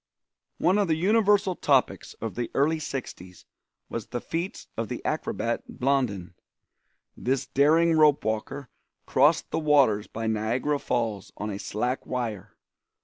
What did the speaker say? One of the universal topics of the early sixties was the feats of the acrobat Blondin. This daring rope walker crossed the waters by Niagara Falls on a slack wire.